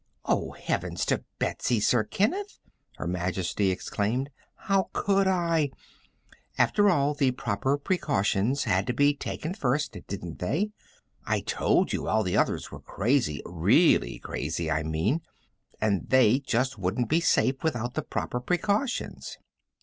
"Oh, heavens to Betsy, Sir Kenneth," Her Majesty exclaimed. "How could I? After all, the proper precautions had to be taken first, didn't they? I told you all the others were crazy really crazy, I mean. And they just wouldn't be safe without the proper precautions."